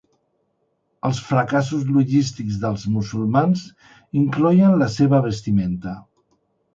Els fracassos logístics dels musulmans incloïen la seva vestimenta.